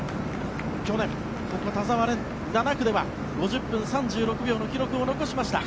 去年、田澤廉、７区では５０分３６秒の記録を残しました。